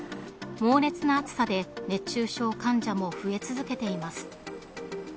猛烈な暑さで熱中症患者も増え続けています。